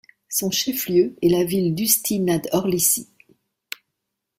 Son chef-lieu est la ville d'Ústí nad Orlicí.